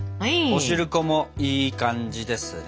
おしるこもいい感じですね。